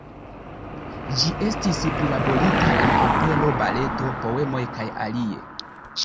Ĝi estis prilaborita en opero, baleto, poemoj kaj alie.